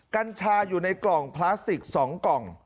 กัญชาอยู่ในกล่องพลาสติก๒กล่อง